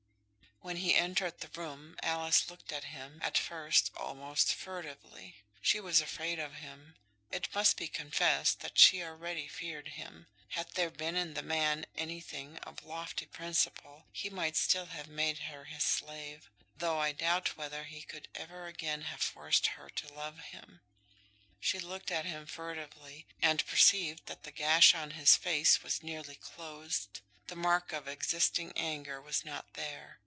When he entered the room, Alice looked at him, at first, almost furtively. She was afraid of him. It must be confessed that she already feared him. Had there been in the man anything of lofty principle he might still have made her his slave, though I doubt whether he could ever again have forced her to love him. She looked at him furtively, and perceived that the gash on his face was nearly closed. The mark of existing anger was not there.